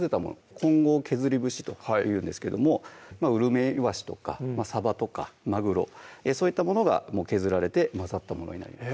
混合削り節というんですけどもウルメイワシとかサバとかマグロそういったものが削られて混ざったものになります